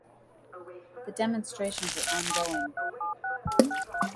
The demonstrations are ongoing.